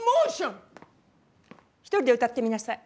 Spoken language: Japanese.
一人で歌ってみなさい。